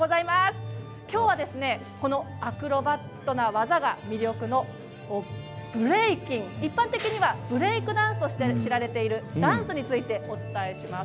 きょうはアクロバットな技が魅力のブレイキン、一般的にはブレイクダンスとして知られているダンスについてお伝えしていきます。